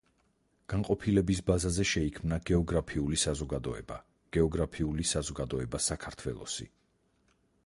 განყოფილების ბაზაზე შეიქმნა გეოგრაფიული საზოგადოება გეოგრაფიული საზოგადოება საქართველოსი.